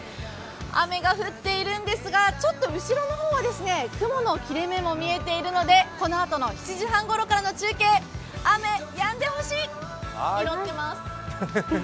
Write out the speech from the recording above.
雨が降っているんですが、ちょっと後ろの方は雲の切れ目も見えているので、このあとの７時半ごろの中継、雨、やんでほしい！